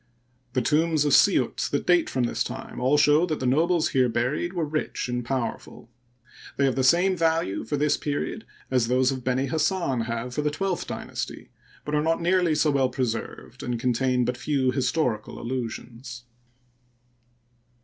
The tombs of Siut that date from this time all show that the nobles here buried were rich and powerful. They have the same value for this period as those of Benihassan have for the twelfth dynasty, but are not nearly so well pre served, and contain but ifew historical allusions.